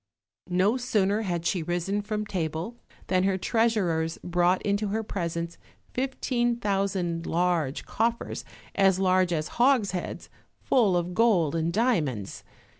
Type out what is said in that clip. No sooner had she risen from table than her treasurers brought into her presence fifteen thousand large coffers, as large as hogsheads, full of gold and diamonds.